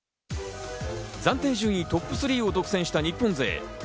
暫定順位トップ３を独占した日本勢。